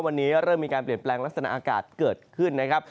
วันนี้เริ่มมีการเปลี่ยนแปลงลักษณะอากาศเกิดขึ้นนะครับ